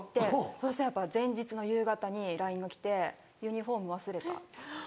そしたらやっぱ前日の夕方にＬＩＮＥが来て「ユニホーム忘れた」って。